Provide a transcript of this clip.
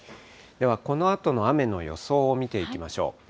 ではこのあとの雨の予想を見ていきましょう。